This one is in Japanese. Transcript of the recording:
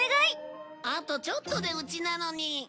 あとちょっとで家なのに。